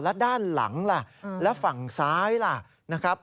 แล้วด้านหลังล่ะแล้วฝั่งซ้ายล่ะนะครับ